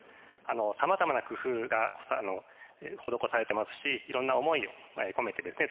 さまざまな工夫が施されてますしいろんな思いを込めてですね